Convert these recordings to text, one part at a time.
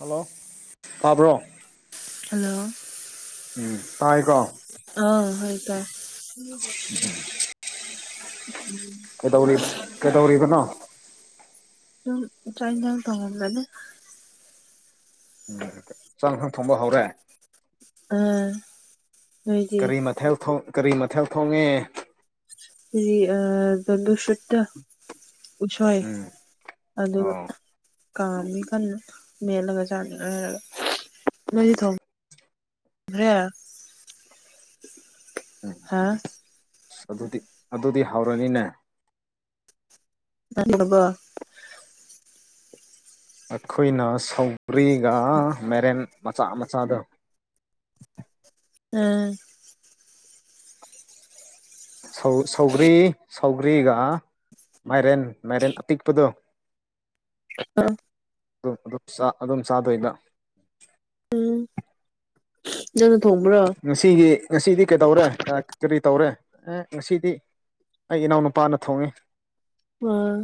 hello ꯇꯥꯕ꯭ꯔꯣ hello ꯎꯝ ꯇꯥꯏꯀꯣ ꯑ ꯍ ꯇ ꯀꯩꯗꯧ ꯀꯩꯗꯧꯔꯤꯕꯅꯣ ꯑꯗꯨ ꯑꯗꯨꯝ ꯇ꯭ꯔꯥꯏꯟꯖꯥꯡ ꯇꯉꯒ ꯎꯝ ꯆꯥꯛ ꯈꯪ ꯊꯣꯡꯕ ꯍꯧꯔꯦ ꯑ ꯅꯣꯏꯗꯤ ꯀꯔꯤ ꯃꯊꯦꯜ ꯀꯔꯤ ꯃꯊꯦꯜ ꯊꯣꯡꯉꯦ ꯑ ꯕꯕ ꯁꯠ ꯎꯁꯣꯏ ꯎꯝ ꯑꯗꯨ ꯑꯣ ꯀꯥꯝꯃꯤ ꯀꯟꯅ ꯃꯦꯠꯂꯒ ꯆꯥꯅꯤꯡ ꯍꯥꯏꯔꯒ ꯅꯣꯏꯗꯤ ꯊꯣꯡ ꯑꯗꯨ꯭ꯔ [inaudible] ꯍꯥꯥ ꯑꯁ ꯑꯗꯨꯗꯤ ꯑꯗꯨꯗꯤ ꯍꯧꯔꯅꯤꯅꯦ ꯅꯤꯕ ꯑꯩꯈꯣꯏꯅ ꯁꯧꯒ꯭ꯔꯤꯒ ꯃꯦꯔꯦꯟ ꯃꯆꯥ ꯃꯆꯥꯗ ꯎꯝ ꯁꯧ ꯁꯧꯒ꯭ꯔꯤ ꯁꯧꯒ꯭ꯔꯤꯒ ꯃꯥꯏꯔꯦꯟ ꯃꯥꯏꯔꯦꯟ ꯑꯄꯤꯛꯄꯗꯣ ꯑ ꯑꯗꯨꯝ ꯑꯗꯨ ꯑꯗꯨꯝ ꯆꯥꯗꯣꯏꯕ ꯎꯝ ꯅꯪꯅ ꯊꯣꯡꯕ꯭ꯔꯣ ꯉꯁꯤꯒꯤ ꯉꯁꯤꯗꯤ ꯀꯩꯗꯧꯔꯦ ꯀꯔꯤ ꯇꯧꯔꯦ ꯑꯦ ꯉꯁꯤꯗꯤ ꯑꯩ ꯏꯅꯥꯎ ꯅꯨꯨꯄꯥꯅ ꯊꯣꯡꯉꯤ ꯑꯥ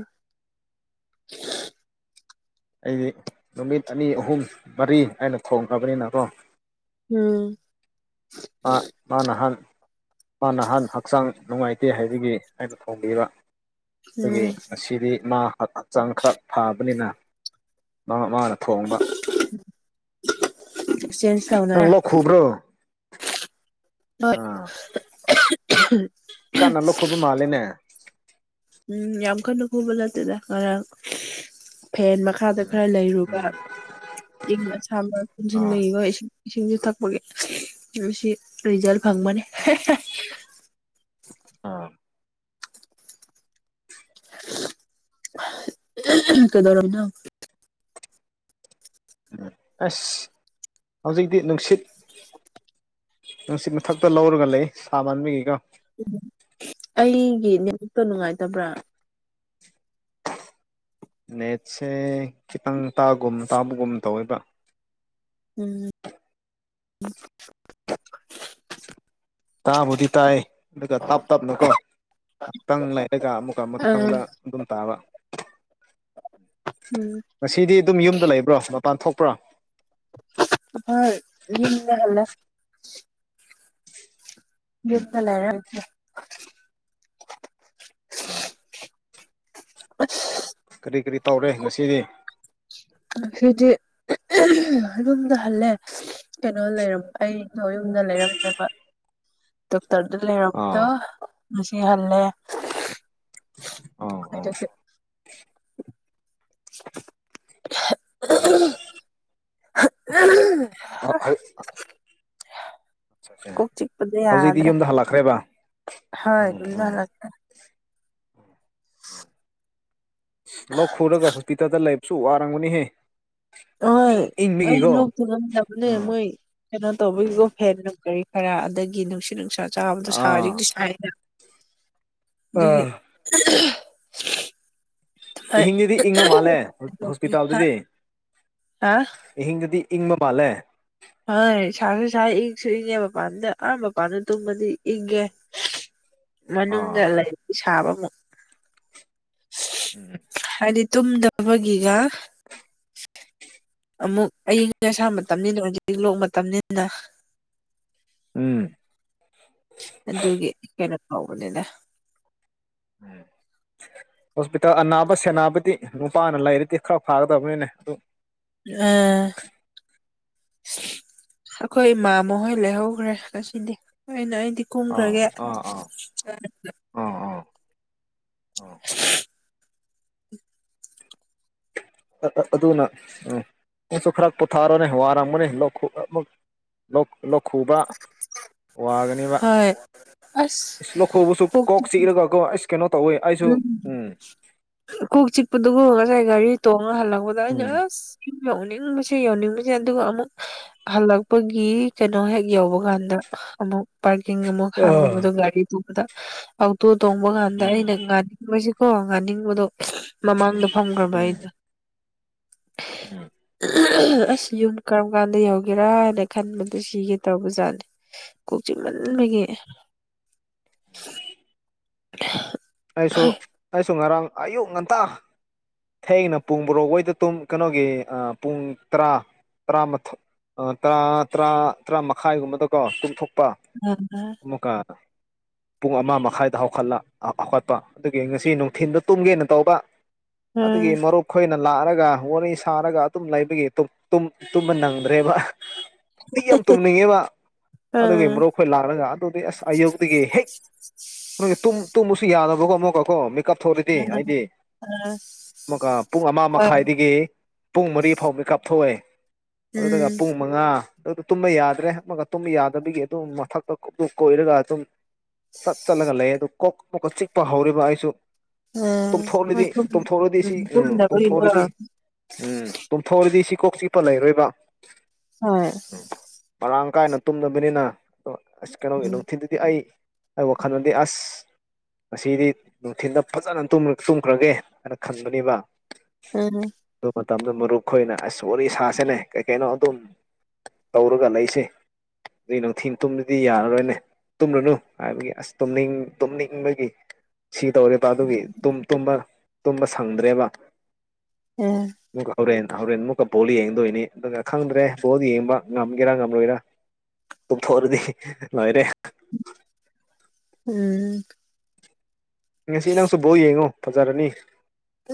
ꯑꯩꯗꯤ ꯅꯨꯃꯤꯠ ꯑꯅꯤ ꯑꯍꯨꯝ ꯃꯔꯤ ꯍꯥꯏꯅ ꯊꯣꯡꯉꯕꯅꯤꯅꯀꯣ ꯎꯝ ꯑ ꯃꯥ ꯅꯍꯥꯟ ꯃꯥ ꯅꯍꯥꯟ ꯍꯛꯆꯥꯡ ꯅꯨꯡꯉꯥꯏꯇꯦ ꯍꯥꯏꯕꯒꯤ ꯍꯥꯏꯅ ꯊꯣꯡꯕꯤꯕ ꯑꯗꯨꯒꯤ ꯎꯝ ꯉꯁꯤꯗꯤ ꯃꯥ ꯍꯛꯆꯥꯡ ꯈꯔ ꯊꯥꯕꯅꯤꯅ ꯃꯥꯅ ꯊꯕ ꯑꯦꯛꯆꯦꯟꯖ ꯅꯪ ꯇꯧꯅꯔꯦ ꯂꯣ ꯈꯣꯕ꯭ꯔꯣ ꯍꯣꯏ ꯀꯥꯟꯅ ꯂꯧꯈꯣꯏꯕ ꯃꯥꯜꯂꯤꯦꯅꯦ ꯎꯝ ꯌꯥꯝꯈꯥꯟꯅ ꯈꯣꯕ ꯂꯦ ꯇ ꯀꯔ ꯐꯦꯟ ꯃꯈꯥꯗ ꯈꯔ ꯂꯩꯔꯨꯕ ꯎꯝ ꯏꯪ ꯑꯁꯥꯕ ꯑꯥ ꯄꯨꯟꯁꯤꯟꯕꯒꯤ ꯋꯥ ꯏꯁꯤꯡ ꯏꯁꯤꯡꯁꯨ ꯊꯛꯄꯒꯤ ꯔꯤꯖꯜ ꯐꯪꯕꯅꯤ ꯑꯥ ꯀꯩꯗꯧꯔꯅ ꯎ ꯑꯁ ꯍꯧꯖꯤꯛꯇꯛꯇꯤ ꯅꯨꯡꯁꯤꯠ ꯅꯨꯡꯁꯤꯠ ꯃꯊꯛꯇ ꯂꯧꯔꯒ ꯂꯩ ꯁꯥ ꯃꯟꯕꯒꯤꯒ ꯇ ꯅꯨꯡꯉꯥꯏꯇꯕ꯭ꯔꯥ ꯅꯦꯠꯁꯦ ꯈꯤꯇꯪ ꯇꯥꯒꯨꯝ ꯇꯥꯕꯒꯨꯝ ꯇꯧꯋꯦꯕ ꯎꯝ ꯇꯕꯨꯗꯤ ꯇꯑ ꯑꯗꯨꯒ ꯇꯞ ꯇꯞꯅꯀꯣ ꯉꯥꯏꯍꯥꯛꯇꯪ ꯂꯩꯔꯒ ꯑꯃꯨꯛꯀ ꯑꯥ ꯑꯃꯨꯛꯇꯪꯗ ꯑꯗꯨꯝ ꯇꯥꯕ [unintelligible] ꯎꯝ ꯉꯁꯤꯗꯤ ꯑꯗꯨꯝ ꯌꯨꯝꯗ ꯂꯩꯕ꯭ꯔꯣ ꯃꯄꯥꯟ ꯊꯣꯛꯄ꯭ꯔꯥ ꯍꯣꯏ ꯌꯨꯝꯗ ꯍꯜꯂꯦ ꯎꯝ ꯀꯜ ꯍꯥꯏ ꯑꯥ ꯑꯁꯤꯗꯤ ꯁꯤꯗꯤ ꯍꯂꯝꯗ ꯍꯜꯂꯦ ꯀꯩꯅꯣ ꯂꯩꯔ ꯑꯩꯗ ꯌꯨꯝꯗ ꯂꯩꯔꯝꯗꯕ ꯇꯔꯗ ꯂꯩꯔꯕꯝꯗ ꯑꯥ ꯅꯨꯡꯁꯤꯍꯜꯂꯦ ꯑꯥ ꯍꯇ [inaudible] ꯑ ꯀꯛ ꯆꯤꯛꯄꯗ ꯍꯧꯖꯤꯛꯇꯤ ꯌꯥꯗ꯭ꯔꯦ ꯌꯨꯝꯗ ꯍꯜꯂꯛꯈ꯭ꯔꯦꯕ ꯍꯣꯏ ꯎꯝ ꯊꯝꯖ ꯂꯇꯥ ꯎ ꯑꯁ ꯂꯧ ꯈꯨꯔꯒ ꯍꯣꯁꯄꯤꯇꯥꯜꯗ ꯂꯩꯕꯁꯨ ꯋꯥꯔꯝꯒꯅꯤꯍꯦ ꯍꯣꯏ ꯑꯩ ꯏꯪꯕꯒꯤꯀꯣ ꯂꯣꯛꯇ ꯉꯝꯗꯕꯅꯦ ꯃꯣꯏ ꯑꯥ ꯀꯩꯅꯣ ꯇꯧꯕꯒꯤꯀꯣ ꯐꯦꯟ ꯀꯔꯤ ꯈꯔ ꯑꯗꯒꯤ ꯅꯨꯡꯁꯤꯠ ꯅꯨꯡꯁꯥ ꯆꯥꯕꯗꯣ ꯁꯥꯔꯤꯗꯤ ꯁꯥꯏꯅ ꯑꯗꯨ ꯑꯥ ꯑꯍꯤꯡꯗꯗꯤ ꯏꯪꯕ ꯃꯥꯜꯂꯦ ꯍꯥ ꯍꯣꯁꯄꯤꯇꯥꯜꯗꯗꯤ ꯍꯥ ꯑꯍꯤꯡꯗꯗꯤ ꯏꯪꯃ ꯃꯥꯂꯦ ꯍꯣꯏ ꯁꯥꯁꯨ ꯁꯥ ꯏꯪꯁꯨ ꯏꯪꯉꯦ ꯃꯄꯥꯟꯗ ꯑꯍ ꯃꯄꯥꯟꯗ ꯇꯨꯝꯃꯗꯤ ꯏꯒꯦ ꯑꯥ ꯃꯅꯨꯡꯗ ꯂꯩ ꯁꯥꯕꯃꯨꯛ ꯎꯝ ꯍꯥꯏꯗꯤ ꯇꯨꯝꯗꯕꯒꯤꯒ ꯑꯃꯨꯛ ꯑꯌꯤꯡꯁ ꯑꯁꯥ ꯃꯇꯝꯅꯤꯅ ꯍꯧꯖꯤꯛ ꯂꯣꯛ ꯃꯇꯝꯅꯤꯅ ꯎꯝ ꯑꯗꯨꯒꯤ ꯀꯩꯅꯣ ꯇꯧꯕꯅꯤꯅ ꯎꯝ ꯍꯣꯁꯄꯤꯇꯥꯜ ꯑꯅꯥꯕ ꯁꯦꯟꯅꯕꯗꯤ ꯅꯨꯄꯥꯅ ꯂꯩꯔꯗꯤ ꯈꯔ ꯐꯥꯒꯗꯕꯅꯤꯅꯦ ꯑꯗꯨ ꯑꯥ ꯑꯩꯈꯣꯏ ꯏꯃꯥ ꯃꯈꯍꯣꯏ ꯂꯩꯍꯧꯈ꯭ꯔꯦ ꯉꯁꯤꯗꯤ ꯑꯩꯅ ꯑꯩꯅ ꯗꯤ ꯑꯥ ꯀꯨꯝꯈ꯭ꯔꯒꯦ ꯑꯥ ꯑꯥ ꯑꯥ ꯑꯥ ꯎ ꯑꯗꯨꯅ ꯎ ꯅꯁꯨ ꯈꯔ ꯄꯣꯊꯥꯔꯣꯅꯦ ꯋꯥꯔꯝꯒꯅꯤ ꯂꯧꯈ ꯂꯧꯈꯨꯕ ꯋꯥꯒꯅꯦꯕ ꯍꯣꯏ ꯑꯁ ꯂꯧꯈꯣꯕꯨꯁꯨ ꯀꯣꯛꯁꯤ ꯏꯔꯒꯀꯣ ꯑꯁ ꯀꯩꯅꯣ ꯇꯧꯋꯦ ꯑꯩꯁꯨ ꯎꯝ ꯀꯨꯛ ꯆꯤꯛꯄꯗꯒ ꯍꯔ ꯆꯦ ꯒꯥꯔꯤ ꯍꯥꯜꯂꯂꯝꯒꯗ ꯌꯧꯅꯤꯡꯕꯁꯦ ꯌꯧꯅꯤꯡꯕꯁꯦ ꯑꯗꯨꯒ ꯑꯃꯨꯛ ꯍꯜꯂꯛꯄꯒꯤ ꯀꯩꯅꯣ ꯍꯦꯛ ꯌꯧꯕ ꯀꯥꯟꯗ ꯑꯃꯨꯛ ꯄꯥꯔꯀꯤꯡ ꯑꯃꯨꯛ ꯑ ꯈꯝꯒꯕꯗ ꯒꯥꯔꯤ ꯇꯣꯡꯕꯗ ꯑꯣꯇꯣ ꯇꯣꯡꯕ ꯀꯥꯟꯗ ꯎꯝ ꯑꯩꯅ ꯃꯣꯏꯁꯤꯀꯣ ꯉꯥꯅꯤꯡꯕꯗꯣ ꯎꯝ ꯃꯃꯥꯡꯗ ꯐꯪꯈ꯭ꯔꯕ ꯎꯝ ꯑꯩꯗꯣ ꯎꯝ ꯑꯁ ꯌꯨꯝ ꯀ ꯀꯀꯥꯟꯗ ꯌꯧꯒꯦꯔꯥ ꯍꯥꯏꯅ ꯈꯟꯕꯗ ꯁꯤꯒꯦ ꯇꯧꯕ ꯖꯥꯠꯅꯤ ꯀꯣꯛꯆꯤꯡꯃꯟꯕꯒꯤ ꯎꯝ [inaudible] [inaudible] ꯑꯩꯁꯨ ꯑꯩꯁꯨ ꯉꯔꯥꯡ ꯑꯌꯨꯛ ꯉꯟꯇꯥ ꯊꯦꯡꯅ ꯄꯨꯡ ꯣꯔꯣꯛ ꯍꯩꯗ ꯇꯨꯝ ꯀꯩꯅꯣꯒꯤ ꯄꯨꯡ ꯇꯔꯥ ꯇꯔꯥꯊ ꯇꯔꯥ ꯇꯔꯥ ꯇꯔꯥ ꯃꯈꯥꯏꯒꯨꯝꯕꯗꯀꯣ ꯆꯨꯝꯊꯣꯛ ꯂꯨꯄꯥ ꯑꯃꯨꯛꯀ ꯄꯨꯡ ꯑꯃ ꯃꯈꯥꯏꯗ ꯍꯧꯈꯠꯂꯠ ꯀ ꯑꯗꯨꯒꯤ ꯉꯁꯤ ꯅꯨꯡꯊꯤꯜꯗ ꯇꯨꯝꯒꯦꯅ ꯇꯧꯕ ꯑꯗꯨꯒꯤ ꯃꯔꯨꯞꯣꯏꯅ ꯂꯥꯛꯑꯒ ꯋꯥꯔꯤ ꯁꯥꯔꯒ ꯑꯗꯨꯝ ꯂꯩꯕꯒꯤ ꯇꯨꯝꯕ ꯅꯪꯗ꯭ꯔꯦꯕ ꯤ ꯌꯥꯝ ꯇꯨꯝꯅꯤꯡꯉꯦ ꯃꯥ ꯑꯗꯨꯒꯤ ꯃꯔꯣꯛ ꯑꯩꯈꯣꯏ ꯂꯥꯛꯂꯒ ꯑꯗꯨꯗꯤ ꯑꯁ ꯑꯌꯨꯛꯇꯒꯤ ꯍꯦꯛ ꯅ ꯇꯨꯝꯕꯁꯨ ꯌꯥꯅꯕꯀꯣ ꯑꯃꯨꯛꯀꯀꯣ ꯃꯦꯀꯞ ꯊꯧꯔꯗꯤ ꯍꯥꯏꯗꯤ ꯑꯃꯨꯀ ꯄꯨꯡ ꯑꯃ ꯍꯣꯏ ꯃꯈꯥꯏꯗꯒꯤ ꯄꯨꯡ ꯃꯔꯤ ꯐꯥꯎꯕ ꯀꯥꯞꯊꯣꯛꯑꯦ ꯑꯗꯨꯒ ꯎꯝ ꯄꯨꯡ ꯃꯉꯥ ꯑꯗꯨ ꯇꯨꯝꯕ ꯌꯥꯗ꯭ꯔꯦ ꯑꯃꯒ ꯇꯨꯝꯕ ꯌꯥꯗꯕꯒꯤ ꯑꯗꯨꯝ ꯃꯊꯛꯇ ꯀꯣꯏꯔꯒ ꯑꯗꯨꯝ ꯆꯠ ꯆꯠꯂꯒ ꯂꯩ ꯑꯗꯨ ꯀꯣꯛ ꯀꯣꯛꯀ ꯆꯤꯛꯄ ꯍꯧꯔꯤꯕ ꯑꯩꯁꯨ ꯎꯝ ꯍꯣꯏ ꯇꯨꯝꯊꯣꯛꯂꯗꯤ ꯇꯨꯝ ꯇꯨꯝꯊꯣꯛꯑꯗꯤ ꯁꯤ ꯎꯝ ꯇꯨꯝꯊꯣꯛꯂꯗꯤ ꯎꯝ ꯄꯨꯝꯐꯥꯎꯔꯗꯤ ꯁꯤ ꯀꯣꯛ ꯆꯤꯛꯄ ꯂꯩꯔꯣꯏꯕ ꯍꯣꯏ ꯃꯔꯥꯡ ꯀꯥꯏꯅ ꯇꯨꯝꯗꯕꯅꯤꯅ ꯑꯁ ꯀꯩꯅꯣꯒꯤ ꯎꯝ ꯅꯨꯡꯊꯤꯜꯗꯨꯗꯤ ꯑꯩ ꯑ ꯋꯥꯈꯥꯟꯗꯤ ꯑꯁ ꯉꯗꯤ ꯅꯨꯡꯊꯤꯜꯗ ꯐꯖꯅ ꯇꯨꯝꯈ꯭ꯔꯒꯦ ꯍꯥꯏꯅ ꯈꯟꯕꯅꯦꯕ ꯎ ꯃꯇꯝꯗꯨ ꯃꯔꯨꯞꯈꯣꯏꯅ ꯑꯁ ꯁꯣ ꯁꯥꯁꯦꯅꯦ ꯀꯩ ꯀꯩꯅꯣ ꯑꯗꯨꯝ ꯇꯧꯔꯒ ꯂꯩꯁꯦ ꯑꯗꯨ ꯅꯨꯡꯊꯤ ꯇꯨꯝꯕꯗꯤ ꯌꯥꯔꯔꯣꯏꯅꯦ ꯇꯨꯝꯂꯨꯅꯨ ꯍꯥꯏꯕꯒꯤ ꯑꯁ ꯇꯨꯝꯅꯤꯡ ꯇꯨꯝꯅꯤꯡ ꯏꯕꯒꯤ ꯁꯤ ꯇꯧꯔꯦꯕ ꯑꯗꯨꯒꯤ ꯇꯨꯝꯕ ꯇꯨꯝꯕ ꯁꯪꯗ꯭ꯔꯦꯕ ꯎꯝ ꯧꯔ ꯍꯣꯔꯦꯟ ꯑꯃꯨꯛꯀ ꯕꯣꯜ ꯌꯦꯡꯗꯣꯏꯅꯤ ꯑꯗꯨꯒ ꯈꯪꯗ꯭ꯔꯦ ꯕꯣꯜ ꯌꯦꯡꯕ ꯉꯝꯒꯦꯔꯥ ꯉꯝꯂꯣꯏꯔꯥ ꯊꯨ ꯍꯔꯗꯤ ꯅꯣꯏꯔꯦ ꯎꯝ ꯉꯁꯤ ꯅꯪꯁꯨꯕꯥꯎ ꯌꯦꯡꯉꯣ ꯐꯖꯔꯅꯤ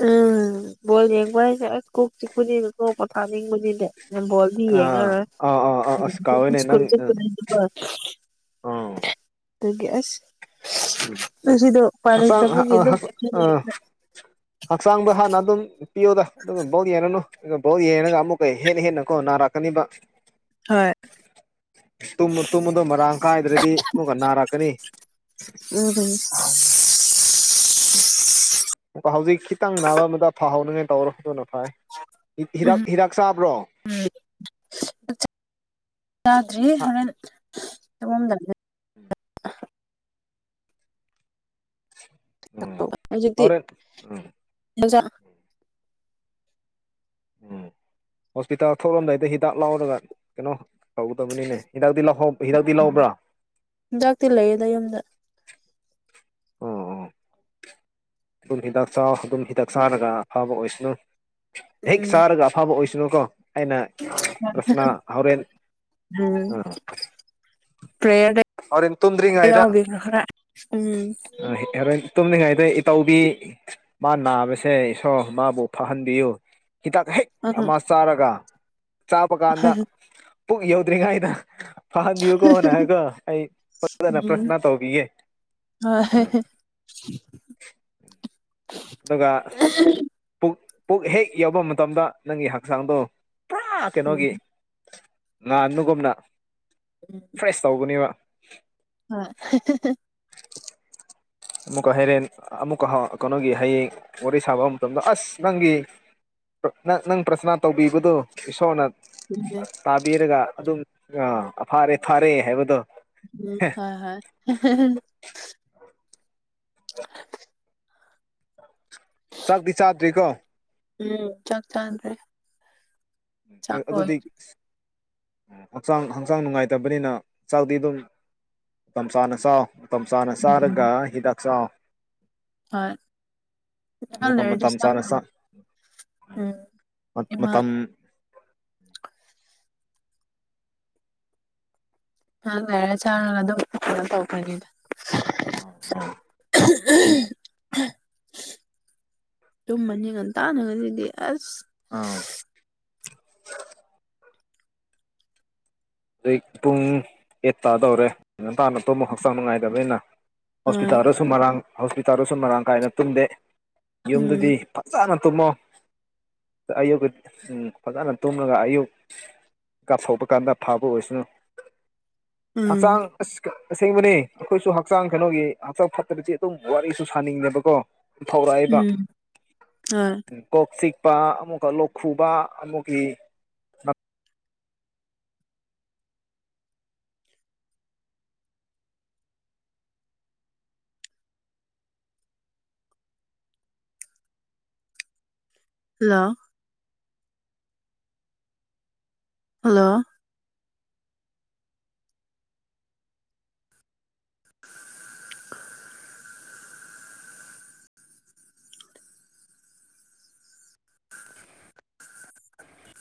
ꯎꯝ ꯕꯣ ꯌꯦꯡꯕ ꯍꯥꯏꯁꯦ ꯑꯁ ꯀꯣꯛ ꯆꯤꯛꯄꯨꯅꯤꯅ ꯀꯣꯛ ꯄꯣꯊꯥꯅꯤꯡꯕꯅꯤꯅꯦ ꯅꯝꯕꯣꯜꯗꯤ ꯑꯥ ꯌꯦꯡꯉꯔꯣꯏ ꯑꯥ ꯑꯥ ꯑꯥ ꯑꯁ ꯀꯥꯎꯋꯦꯅꯦ ꯍꯥꯏꯀꯨ ꯅꯪ ꯆꯄ ꯑꯥ ꯑ ꯒ꯭ꯌꯥꯁ ꯑꯥ ꯑꯁꯤꯗꯣ ꯄꯥꯅꯩ ꯍꯛꯆꯥꯡ ꯇꯕꯒꯤ ꯑꯗꯨꯝ ꯍꯛꯆꯥꯡꯗ ꯍꯥꯟꯅ ꯑꯗꯨꯝ ꯅꯨꯄꯤꯌꯣꯗ ꯑꯗꯨꯒ ꯕꯧꯠ ꯌꯦꯡꯉꯅꯨ ꯑꯗꯨꯒ ꯕꯥꯎꯠ ꯌꯦꯡꯉꯒ ꯑꯃꯨꯛꯀ ꯍꯦꯟꯅ ꯍꯦꯟꯅ ꯀꯣ ꯅꯥꯔꯛꯀꯅꯤꯕ ꯍꯣꯏ ꯇꯨꯝꯕꯗꯣ ꯃꯔꯥꯡ ꯀꯥꯏꯗ꯭ꯔꯗꯤ ꯃꯒ ꯅꯥꯔꯛꯀꯅꯤ ꯎꯝꯝ ꯑꯃꯨꯛꯀ ꯍꯧꯖꯤꯛ ꯈꯤꯇꯪ ꯅꯥꯕ ꯑꯃꯗ ꯐꯍꯧꯅꯉꯥꯏ ꯇꯧꯔꯣ ꯑꯗꯨꯅ ꯐꯥꯏ ꯍꯤꯗꯥꯛ ꯍꯤꯗꯥꯛ ꯆꯥꯕ꯭ꯔꯣ ꯎꯝ ꯆꯥꯗ꯭ꯔꯤ ꯍꯣꯔꯦꯟ ꯁꯣꯝꯗ ꯎꯝ ꯎꯝ ꯍꯣꯔꯦꯟ ꯎꯝ ꯑꯣꯖ ꯎꯝ ꯍꯣꯁꯄꯤꯇꯥꯜ ꯊꯣꯛꯂꯂꯝꯝꯗꯥꯏꯗ ꯍꯤꯗꯥꯛ ꯂꯥꯎꯔꯒ ꯀꯩꯅꯣ ꯇꯧꯒꯗꯕꯅꯤꯅꯦ ꯍꯤꯗꯥꯛꯇ ꯂ ꯍꯤꯗꯥꯛꯤ ꯂꯧꯕ꯭ꯔꯥ ꯆꯤꯟꯖꯥꯛꯇꯤ ꯂꯩꯌꯦꯗ ꯌꯨꯝꯗ ꯑꯣ ꯑꯣ ꯑꯗꯨꯝ ꯍꯤꯗꯥꯛ ꯑꯗꯨꯝ ꯍꯤꯗꯥꯛ ꯆꯥꯔꯒ ꯑꯐꯕ ꯑꯣꯏꯁꯅꯨ ꯍꯦꯛ ꯎꯝ ꯁꯥꯔꯒ ꯑꯐꯕ ꯑꯣꯏꯁꯅꯨꯀꯣ ꯑꯩꯅ ꯔꯁꯅꯥ ꯍꯥꯎꯣꯔꯦꯟ ꯎꯝ ꯑꯥ ꯄ꯭ꯔꯦꯌꯔꯗ ꯑꯔꯤꯟ ꯇꯟꯔꯤ ꯍꯥꯏꯗ ꯌꯥꯎꯕꯤꯈ꯭ꯔꯣ ꯈꯔ ꯎꯝ ꯌꯥꯔ ꯇꯨꯝꯅꯤꯡꯉꯩꯗ ꯏꯇꯧꯕꯤ ꯃꯥ ꯅꯥꯕꯁꯦ ꯏꯁꯣꯔ ꯃꯥꯕꯨ ꯐꯍꯟꯕꯤꯌꯨ ꯍꯤꯗꯥꯛ ꯍꯦꯛ ꯎꯝ ꯑꯃ ꯆꯥꯔꯒ ꯆꯥꯄ ꯀꯥꯟꯗ ꯄꯨꯛ ꯌꯧꯗ꯭ꯔꯤꯉꯥꯏꯗ ꯐꯍꯟꯕꯤꯌꯨ ꯀꯣꯅ ꯍꯥꯏꯀꯣ ꯑꯩ ꯐꯖꯅ ꯎꯝ ꯄ꯭ꯔꯁꯅ ꯇꯧꯕꯤꯒꯦ ꯎ ꯍꯣꯏ ꯑꯗꯨꯒ ꯄꯨꯛ ꯄꯨꯛ ꯍꯦꯛ ꯌꯧꯕ ꯃꯇꯝꯗ ꯅꯪꯒꯤ ꯍꯛꯆꯥꯡꯗꯣ ꯄꯨꯔꯥ ꯎꯝ ꯀꯩꯅꯣꯒꯤ ꯉꯥꯟꯒꯨꯝꯅ ꯐ꯭ꯔꯦꯁ ꯇꯧꯕꯅꯦꯕ ꯍ ꯑꯃꯨꯛꯀ ꯍꯩꯔꯦꯟ ꯑꯃꯨꯛꯀ ꯀꯩꯅꯣꯒꯤ ꯍꯌꯦꯡ ꯋꯥꯔꯤ ꯁꯥꯕ ꯃꯇꯝꯗ ꯑꯁ ꯅꯪꯒꯤ ꯅꯪ ꯅꯪ ꯄ꯭ꯔꯁꯅꯥ ꯇꯧꯕꯤꯕꯗꯨ ꯏꯁꯣꯔꯅ ꯇꯥꯕꯤꯔꯒ ꯑꯗꯨꯝ ꯑ ꯐꯥꯔꯦ ꯐꯥꯔꯦ ꯍꯥꯏꯕꯗꯣ ꯎꯝ ꯍꯣꯏ ꯍꯣꯏ ꯆꯥꯛꯗꯤꯤ ꯆꯥꯗ꯭ꯔꯤꯀꯣ ꯎꯝ ꯆꯥꯛ ꯆ꯭ꯔꯦ ꯎꯝ ꯑꯗꯨꯗꯤ ꯍꯛꯆꯥꯡ ꯍꯛꯆꯥꯡ ꯅꯨꯡꯉꯥꯏꯇꯕꯅꯤꯅ ꯆꯥꯛꯗꯤ ꯑꯗꯨꯝ ꯃꯇꯝ ꯆꯥꯅ ꯆꯥꯎ ꯃꯇꯝ ꯆꯥꯅ ꯆꯥꯔꯒ ꯎꯝ ꯍꯤꯗꯥꯛ ꯆꯥ ꯍꯣꯏ ꯉꯍꯥꯛ ꯂꯩꯔꯗꯤ ꯃꯇꯝ ꯆꯥꯅꯁ ꯆꯥꯈ꯭ꯔꯅꯤ ꯎꯝ ꯏꯃꯥ ꯃꯇꯝ ꯎꯝ ꯍ ꯂꯔ ꯆꯥ ꯑꯗꯨ ꯇꯧꯗ ꯑ ꯎꯝ ꯆꯨꯝꯃꯅꯤ ꯉꯟ ꯇꯥꯟꯅꯒꯁꯤꯗꯤ ꯑꯁ ꯑꯥ ꯑꯗ ꯄꯨꯡ ꯑꯦꯠꯇꯥꯥꯗꯧꯔꯦ ꯅ ꯇꯅ ꯑꯇꯣꯞꯄ ꯍꯛꯆꯥꯡ ꯅꯨꯡꯉꯥꯏꯇꯕꯅꯤꯅ ꯍꯣꯏ ꯍꯣꯁꯄꯤꯇꯥꯜꯗꯁꯨ ꯃꯔꯥꯡ ꯍꯣꯁꯄꯤꯇꯥꯜꯗꯁꯨ ꯃꯔꯥꯡ ꯀꯥꯏꯅ ꯇꯨꯝꯗꯦ ꯎꯝ ꯌꯨꯝꯗꯗꯤ ꯐꯖꯅ ꯇꯨꯝꯃꯣ ꯑꯌꯨꯛ ꯐꯖꯅ ꯇꯨꯝꯂꯒ ꯑꯌꯨꯛ ꯀꯥꯞꯊꯣꯛꯄ ꯀꯥꯟꯗ ꯊꯥꯕ ꯑꯣꯏꯁꯅ ꯎꯝ ꯍꯛꯆꯥꯡ ꯑꯁ ꯑꯁꯦꯡꯕꯅꯤ ꯑꯩꯈꯣꯏꯁꯨ ꯍꯛꯆꯥꯡ ꯀꯩꯅꯣꯒꯤ ꯍꯛꯆꯥꯡ ꯐꯠꯇ꯭ꯔꯗꯤ ꯑꯗꯨꯝ ꯋꯥꯔꯤꯁꯨ ꯁꯥꯅꯤꯡꯉꯦꯕꯀꯣ ꯊꯧꯔꯛꯏꯕ ꯎꯝ ꯍꯣꯏ ꯀꯣꯛꯁꯤꯛ ꯂꯄ ꯑꯃꯨꯛꯀ ꯂꯧꯣꯛ ꯈꯨꯨꯕ ꯑꯃꯨꯛꯀꯤ ꯍꯜꯂꯣ ꯍꯜꯂꯣ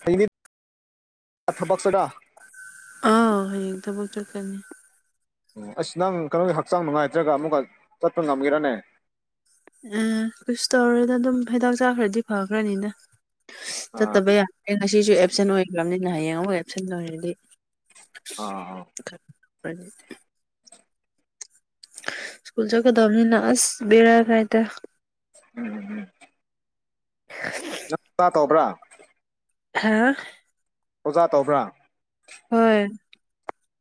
ꯑꯩ ꯊꯕꯛ ꯆꯒ ꯑ ꯍꯗꯕꯨ ꯆꯔꯀꯅꯤ ꯎꯝ ꯑꯁ ꯅꯪ ꯀꯩꯅꯣꯒꯤ ꯍꯛꯆꯥꯡ ꯅꯨꯡꯉꯥꯏꯇ꯭ꯔꯒ ꯑꯃꯨꯛꯀ ꯆꯠꯄ ꯉꯝꯈꯤꯔꯅꯦ ꯑꯦ ꯀꯩꯁ ꯇꯧꯔꯦꯅ ꯑꯗꯨꯝ ꯍꯤꯗꯥꯛ ꯆꯥꯈ꯭ꯔꯗꯤ ꯐꯈ꯭ꯔꯅꯤꯅ ꯑꯥ ꯆꯠꯇꯕ ꯌꯥꯗꯦ ꯉꯁꯤꯁꯨ ꯑꯦꯞꯁꯦꯟ ꯑꯣꯏꯈ꯭ꯔꯕꯅꯤꯅ ꯍꯌꯦꯡ ꯑꯃꯨꯛ ꯑꯦꯞꯁꯦꯟ ꯑꯣꯏꯔꯗꯤ ꯑ ꯑ ꯐꯔꯦ ꯁ꯭ꯀꯨꯜ ꯆꯈꯗꯝꯅꯤꯅ ꯑꯁ ꯕꯔꯥ ꯀꯥꯏꯗ ꯎꯝꯝ [inaudible] ꯅꯪꯄꯥ ꯀꯧꯕꯧꯕ꯭ꯔꯥ ꯍꯥ ꯑꯣꯖꯥ ꯇꯧꯕ꯭ꯔꯥ ꯍꯣꯏ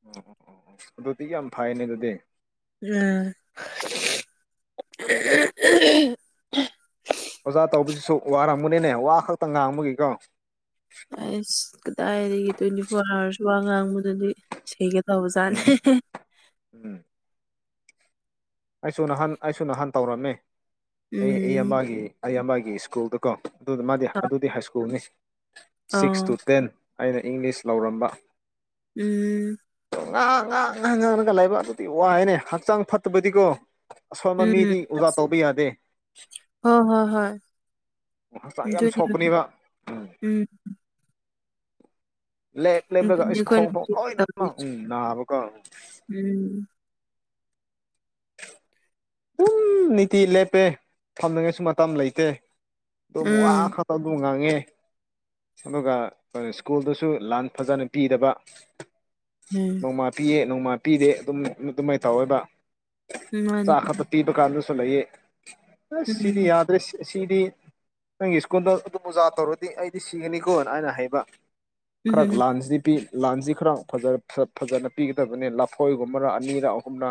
ꯎ ꯑꯣ ꯑꯣ ꯑꯗꯨꯗꯤ ꯌꯥꯝ ꯐꯥꯏꯅꯦ ꯑꯗꯨꯗꯤ ꯎꯝ ꯑꯣꯖꯥ ꯇꯧꯕꯁꯤꯁꯨ ꯋꯥꯔꯝꯒꯅꯤꯅꯦ ꯋꯥ ꯈꯛꯇ ꯉꯥꯡꯕꯒꯤꯀꯣ ꯑꯁ ꯀꯗꯥꯏꯗꯒꯤ ꯇ꯭ꯋꯦꯟꯇꯤ ꯐꯣꯔ ꯑꯥꯋꯥꯔꯁ ꯋꯥ ꯉꯥꯡꯕꯗꯗꯤꯒꯗ ꯍ ꯆꯂꯦ ꯎꯝ ꯎꯝ ꯎꯝ ꯑꯩꯁꯨ ꯅꯍꯥꯟ ꯑꯩꯁꯨ ꯅꯍꯥꯟ ꯇꯧꯔꯝꯃꯦ ꯑꯩ ꯎꯝ ꯑꯩꯕꯥꯒꯤ ꯑꯩ ꯑꯕꯥꯒꯤ ꯑꯩꯒꯤ ꯁ꯭ꯀꯨꯜꯗꯀꯣ ꯑꯗꯨꯗ ꯃꯥꯗꯤ ꯑꯗꯨꯗꯤ ꯍꯥꯏ ꯁ꯭ꯀꯨꯜꯅꯤ ꯁꯤꯛꯁ ꯇꯨ ꯑꯥ ꯇꯦꯟ ꯑꯩꯅ ꯏꯪꯂꯤꯁ ꯂꯧꯔꯝꯕ ꯎꯝ ꯉ ꯉꯍ ꯉꯍꯥꯛ ꯉꯥꯡꯉꯒ ꯂꯥꯏꯕꯛ ꯑꯗꯨꯗꯤ ꯋꯥꯏꯅꯦ ꯍꯛꯆꯥꯡ ꯐꯠꯇꯕꯗꯤꯀꯣ ꯑꯁꯣꯟꯕ ꯃꯤꯗꯤ ꯑꯣꯖꯥ ꯇꯧꯕ ꯌꯥꯗꯦ ꯍ ꯍꯣ ꯍꯣꯏ ꯍꯛꯆꯥꯡ ꯌꯥꯝ ꯁꯣꯛꯄꯅꯦꯕ ꯎꯝ ꯂꯦꯞ ꯂꯦꯞꯂꯒ ꯑꯗꯨꯅꯤ ꯑꯩꯁ ꯑꯩꯈꯣꯏꯅ ꯈꯣꯡ ꯊꯣꯡ ꯍꯧꯖꯤꯛ ꯂꯣꯏꯅꯃꯛ ꯇꯧꯔꯤꯁꯦ ꯎꯝ ꯅꯥꯕꯀꯣ ꯎꯝ ꯑꯗꯨꯝ ꯅꯤꯇꯤ ꯂꯦꯞꯄꯦ ꯊꯝꯅꯤꯡꯉꯥꯏꯁꯨ ꯃꯇꯝ ꯂꯩꯇꯦ ꯑꯗꯨ ꯃ ꯑ ꯎꯝ ꯈ ꯉꯥꯡꯉꯦ ꯑꯗꯨꯒ ꯀ ꯁ꯭ꯀꯨꯜꯗꯁꯨ ꯂꯥꯟ ꯐꯖꯅ ꯄꯤꯗꯕ ꯎꯝ ꯅꯣꯡꯃꯥ ꯄꯤꯌꯦ ꯅꯣꯡꯃꯥ ꯄꯤꯗꯦ ꯑꯗꯨꯝ ꯑꯗꯨ ꯃꯥꯏ ꯊꯥꯎꯋꯕ ꯎꯝ ꯃꯥꯅꯤ ꯆꯥꯛ ꯈꯛꯇ ꯄꯤꯕ ꯀꯥꯟꯗꯁꯨ ꯂꯩꯌꯦ ꯑꯁ ꯁꯤꯗꯤ ꯎꯝ ꯌꯥꯗ꯭ꯔꯦ ꯁꯤꯗꯤ ꯅꯪꯒꯤ ꯁ꯭ꯀꯨꯜꯗ ꯑꯗꯨꯝ ꯑꯣꯖꯥ ꯇꯧꯔꯗꯤ ꯑꯩꯗꯤ ꯁꯤꯒꯅꯤꯀꯣꯅ ꯍꯥꯏꯅ ꯍꯥꯏꯕ ꯈꯔ ꯎꯝ ꯂꯥꯟꯁꯤꯗꯤ ꯄꯤ ꯂꯥꯟꯁꯤ ꯈꯔ ꯐꯖꯅ ꯄꯤꯒꯗꯕꯅꯤ ꯂꯐꯣꯏꯒꯨꯝꯕꯔꯥ ꯑꯅꯤꯔ ꯑꯍꯨꯝꯅ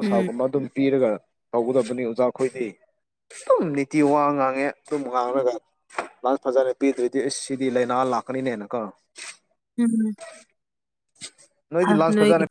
ꯎꯝ ꯑꯗꯨꯝ ꯄꯤꯔꯒ ꯇꯧꯒꯗꯕꯅꯤ ꯑꯣꯖꯥꯈꯣꯏꯗꯤ ꯑꯗꯨꯝ ꯅꯤꯇꯤ ꯋꯥ ꯉꯥꯡꯉꯦ ꯑꯗꯨꯝ ꯉꯥꯡꯉꯒ ꯂꯥꯛ ꯐꯖꯅ ꯄꯤꯗꯣꯏꯗꯤ ꯁꯤꯗꯤ ꯂꯥꯏꯅꯥ ꯂꯥꯛꯀꯅꯤꯅꯦꯅꯀꯣ ꯎꯝ ꯅꯣꯏꯗꯤ ꯂꯥꯁ ꯐꯖꯥ ꯅꯣꯏꯒꯤ